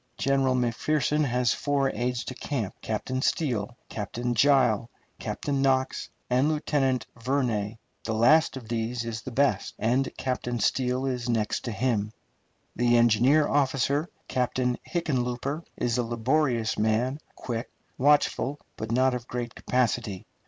General McPherson has four aides de camp: Captain Steele, Captain Gile, Lieutenant Knox, and Lieutenant Vernay. The last of these is the best, and Captain Steele is next to him. The engineer officer, Captain Hickenlooper, is a laborious man, quick, watchful, but not of great capacity.